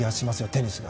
テニスが。